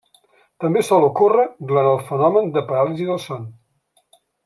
També sol ocórrer durant el fenomen de paràlisi del son.